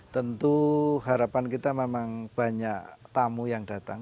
tentu harapan kita memang banyak tamu yang datang